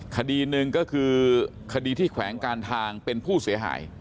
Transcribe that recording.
คดีหนึ่งก็คือคดีที่แขวงการทางเป็นผู้เสียหาย